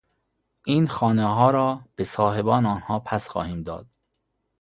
این خانهها را به صاحبان آنها پس خواهیم داد.